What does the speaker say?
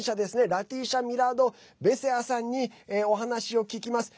ラティーシャ・ミラード・ベセアさんにお話を聞きます。